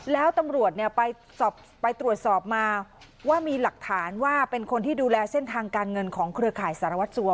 แล้วตำรวจเนี่ยไปตรวจสอบมาว่ามีหลักฐานว่าเป็นคนที่ดูแลเส้นทางการเงินของเครือข่ายสารวัตรสัว